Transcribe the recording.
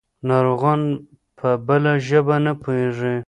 ناروغان په بله ژبه نه پوهېږي.